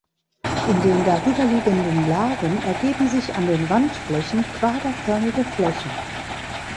In den darüberliegenden Lagen ergeben sich an den Wandflächen quaderförmige Flächen.